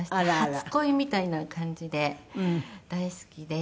初恋みたいな感じで大好きで。